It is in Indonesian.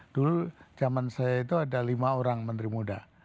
dulu zaman saya itu ada lima orang menteri muda